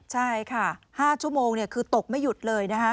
ใช่ค่ะ๕ชั่วโมงคือตกไม่หยุดเลยนะคะ